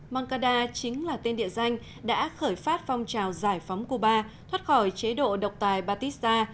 mankada chính là tên địa danh đã khởi phát phong trào giải phóng cuba thoát khỏi chế độ độc tài batista